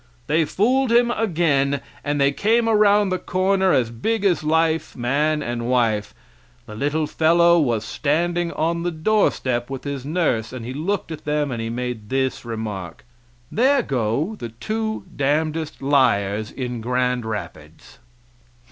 They fooled him again, and they came around the corner as big as life, man and wife. The little fellow was standing on the door step with his nurse, and he looked at them, and he made this remark: "There go the two damndest liars in Grand Rapids."